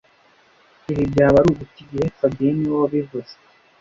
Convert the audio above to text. Ibi byaba ari uguta igihe fabien niwe wabivuze